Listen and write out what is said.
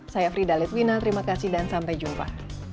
saya frida litwina terima kasih dan sampai jumpa